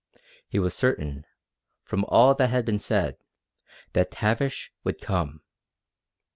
He was certain, from all that had been said, that Tavish would come.